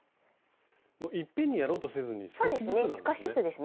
いっぺんにやろうとせずに少しずつなんですね。少しずつですね。